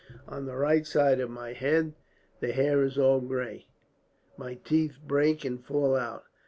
On the right side of my head the hair is all gray. My teeth break and fall out.